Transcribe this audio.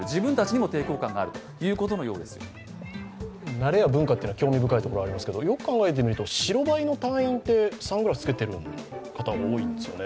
慣れや文化というのは興味深いところがありますけど、よく考えてみると、白バイの隊員ってサングラス着けてる方多いんですよね